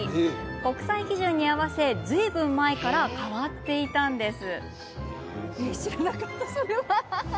国際基準に合わせずいぶん前から変わっていたんです。